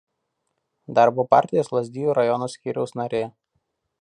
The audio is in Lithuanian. Darbo partijos Lazdijų rajono skyriaus narė.